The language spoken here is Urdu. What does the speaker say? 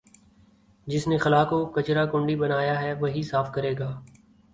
جس نے خلاکو کچرا کنڈی بنایا ہے وہی صاف کرے گا